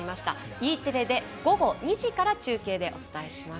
Ｅテレで午後２時から中継でお伝えします。